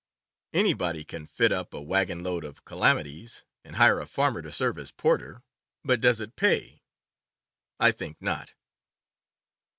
Anybody can fit up a wagon load of calamities, and hire a farmer to serve as porter. But does it pay ? I think not.